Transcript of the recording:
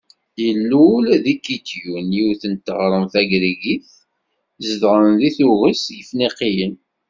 Ilul deg Kityum, yiwet n teɣremt tagrikit zedɣen deg tuget Yefniqiyen.